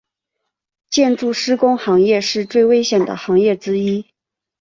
建筑施工行业是最危险的行业之一。